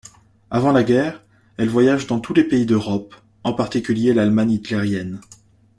Avant la guerre, elle voyage dans tous les pays d'Europe, en particulier l'Allemagne hitlérienne.